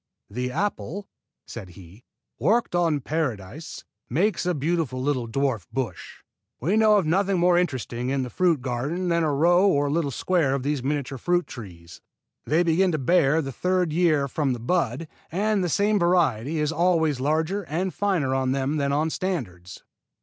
"The apple," said he, "worked on the Paradise, makes a beautiful little dwarf bush. We know of nothing more interesting in the fruit garden than a row or little square of these miniature fruit trees. They begin to bear the third year from the bud, and the same variety is always larger and finer on them than on standards."